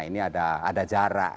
ini ada jarak